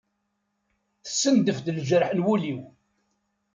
Tessendef-d lǧerḥ n wul-iw.